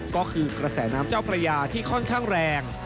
ก็คือกระแสน้ำเจ้าพระยาที่ค่อนข้างแรง